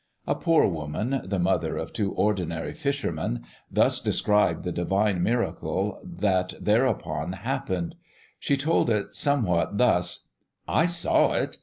A poor woman, the mother of two ordinary fishermen, thus described the divine miracle that thereupon happened. She told it somewhat thus: "I saw it.